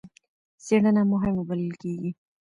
څېړنه مهمه بلل کېږي.